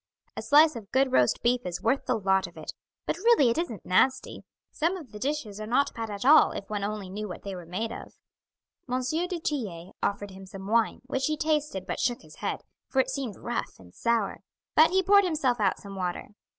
A slice of good roast beef is worth the lot of it; but really it isn't nasty; some of the dishes are not bad at all if one only knew what they were made of." M. du Tillet offered him some wine, which he tasted but shook his head, for it seemed rough and sour; but he poured himself out some water.